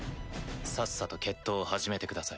さっさと決闘を始めてください。